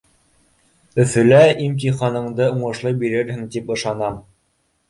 Өфөлә лә имтиханыңды уңышлы бирерһең тип ышанам.